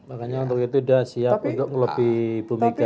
makanya untuk itu sudah siap untuk lebih pemikiran